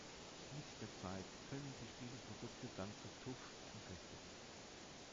Mit der Zeit können sich diese Produkte dann zu Tuff verfestigen.